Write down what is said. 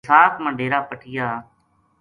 بیساکھ ما ڈیر ا پٹیا